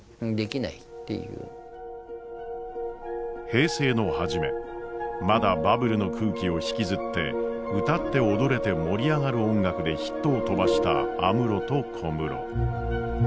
平成の初めまだバブルの空気を引きずって歌って踊れて盛り上がる音楽でヒットを飛ばした安室と小室。